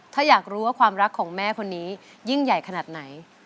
ถ้าอยากรู้ว่าความรักของแม่คนนี้ยิ่งใหญ่ขนาดไหน